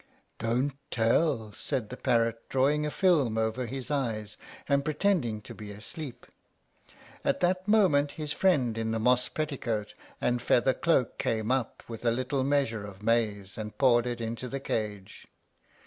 "Don't tell," said the parrot, drawing a film over his eyes, and pretending to be asleep. At that moment his friend in the moss petticoat and feather cloak came up with a little measure of maize, and poured it into the cage.